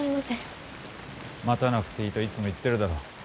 待たなくていいといつも言っているだろう？